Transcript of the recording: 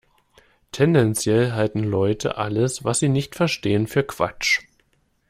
Tendenziell halten Leute alles, was sie nicht verstehen, für Quatsch.